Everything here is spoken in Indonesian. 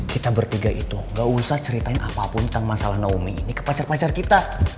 kita bertiga itu gak usah ceritain apapun tentang masalah naomi ini ke pacar pacar kita